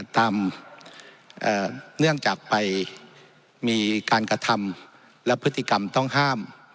เนื่องจากไปมีการกระทำและพฤติกรรมต้องห้าม